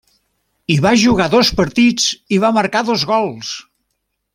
Hi va jugar dos partits, i va marcar dos gols.